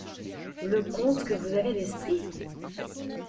Le comte que vous avez d'esprit!